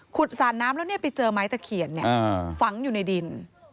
ขุดสระน้ำแล้วไปเจอไม้ตะเขียนอยู่ในดิน